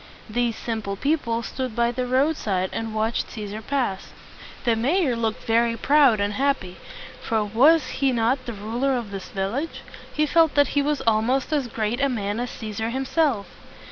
These simple people stood by the roadside and watched Cæsar pass. The may or looked very proud and happy; for was he not the ruler of this village? He felt that he was almost as great a man as Cæsar himself.